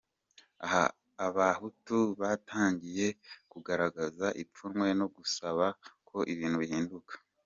Abahutu batangiye kugaragaza ipfunwe no gusaba ko ibintu bihinduka